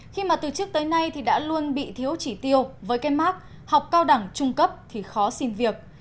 khi mà từ trước tới nay thì đã luôn bị thiếu chỉ tiêu với cái mark học cao đẳng trung cấp thì khó xin việc